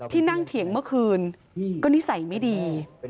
นั่งเถียงเมื่อคืนก็นิสัยไม่ดี